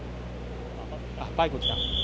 バイクが来た。